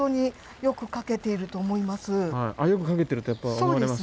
よく描けてるとやっぱ思われます？